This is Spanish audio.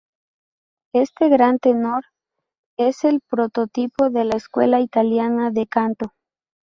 Este gran tenor es el prototipo de la escuela italiana de canto.